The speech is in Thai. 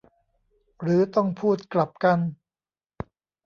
หรือต้องพูดกลับกัน ?